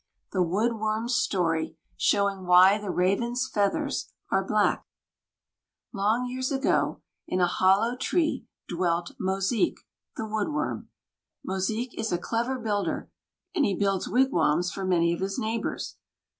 THE WOOD WORM'S STORY, SHOWING WHY THE RAVEN'S FEATHERS ARE BLACK Long years ago, in a hollow tree dwelt Mosique, the Wood Worm. Mosique is a clever builder, and he builds wigwams for many of his neighbors.